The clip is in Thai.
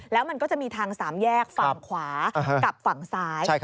แล้วมันก็จะมีทางสามแยกฝั่งขวากับฝั่งซ้าย